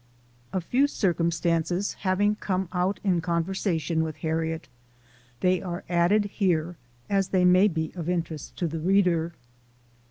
A few circumstances having come out in conver sation with Harriet, they are added here, as they may be of interest to the reader.